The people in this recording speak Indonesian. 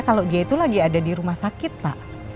kalau dia itu lagi ada di rumah sakit pak